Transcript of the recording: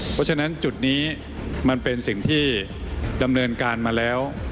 เพราะฉะนั้นจุดนี้มันเป็นสิ่งที่ดำเนินการมาแล้ว